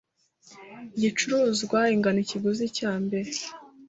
igicuruzwa ingano ikiguzi cya mbere